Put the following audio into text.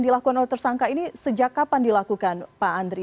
dilakukan oleh tersangka ini sejak kapan dilakukan pak andri